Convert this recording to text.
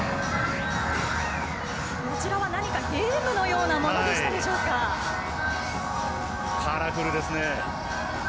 こちらは何かゲームのようなカラフルですね。